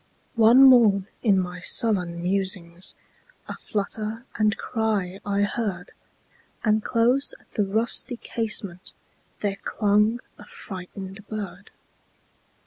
One morn, in my sullen musings,A flutter and cry I heard; And close at the rusty casementThere clung a frightened bird.